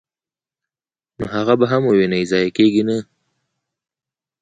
نو هغه به هم وويني، ضائع کيږي نه!!.